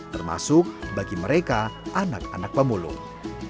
termasuk bagi mereka anak anak pemulung